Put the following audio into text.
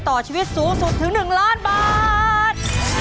ต่อชีวิตสูงสุดถึง๑ล้านบาท